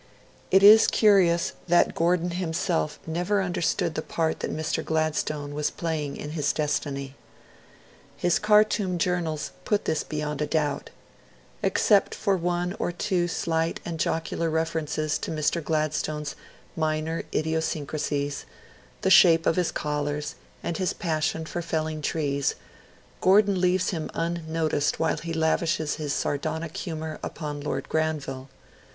It is curious that Gordon himself never understood the part that Mr. Gladstone was playing in his destiny. His Khartoum journals put this beyond a doubt. Except for one or two slight and jocular references to Mr. Gladstone's minor idiosyncrasies the shape of his collars, and his passion for felling trees, Gordon leaves him unnoticed while he lavishes his sardonic humour upon Lord Granville.